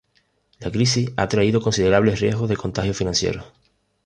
La crisis ha traído considerables riesgos de contagio financiero.